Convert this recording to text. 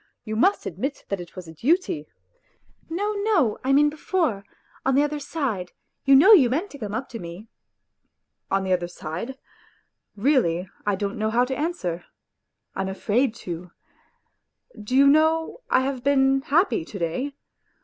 You must admit that it was a duty. ..."" No, no ; I mean before, on the other side you know you meant to come up to me." %i On the other side ? Really I don't know how to answer; I am afraid to. ... Do you know I have been happy to day?